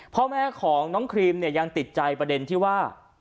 เพราะแม้ของน้องครีมยังติดใจประเด็นที่ว่า